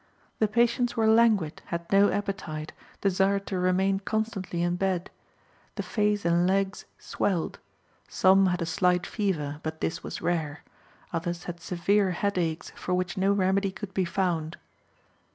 The patients were languid, had no appetite, desired to remain constantly in bed. The face and legs swelled. Some had a slight fever, but this was rare; others had severe headaches for which no remedy could be found."